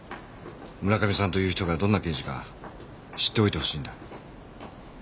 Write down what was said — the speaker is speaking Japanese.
村上さんという人がどんな刑事か知っておいてほしいんだ。